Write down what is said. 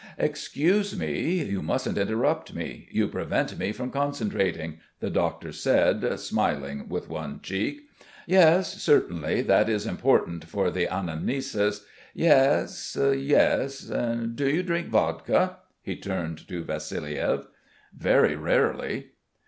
"Excuse me. You mustn't interrupt me; you prevent me from concentrating," the doctor said, smiling with one cheek. "Yes, certainly that is important for the anamnesis.... Yes, yes.... And do you drink vodka?" he turned to Vassiliev. "Very rarely."